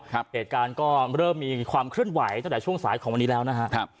เหตุการณ์ก็เริ่มมีความเคลื่อนไหวตั้งแต่ช่วงสายของวันนี้แล้วนะครับ